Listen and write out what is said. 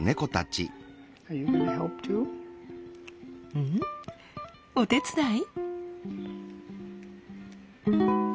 うん？お手伝い？